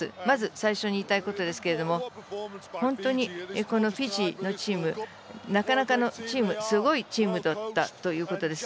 まず、最初に言いたいことですけれども本当にこのフィジーのチームなかなかのチームすごいチームだったということ。